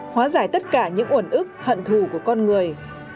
hóa giải tất cả những uẩn ức hận thù của con người